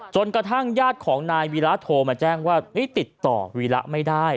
กระทั่งญาติของนายวีระโทรมาแจ้งว่าติดต่อวีระไม่ได้